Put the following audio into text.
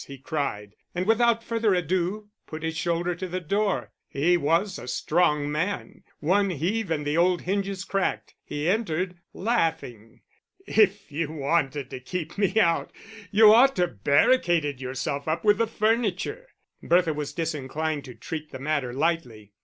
he cried; and without further ado put his shoulder to the door: he was a strong man; one heave and the old hinges cracked. He entered, laughing. "If you wanted to keep me out, you ought to have barricaded yourself up with the furniture." Bertha was disinclined to treat the matter lightly.